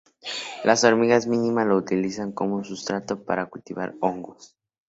Las hormigas mínima lo utilizan como sustrato para cultivar hongos.